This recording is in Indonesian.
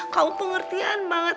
kamu pengertian banget